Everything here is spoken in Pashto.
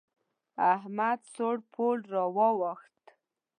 احمد سوړ پوړ را واوښت.